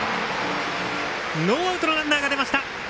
ノーアウトのランナーが出ました。